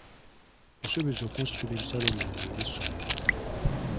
Yasuubiza okunsasulira ebisale byange eby'esomero.